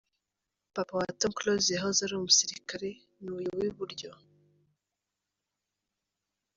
Papa wa Tom Close yahoze ari umusirikare, ni uyu w'iburyo.